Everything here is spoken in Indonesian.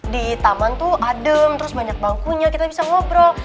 di taman tuh adem terus banyak bangkunya kita bisa ngobrol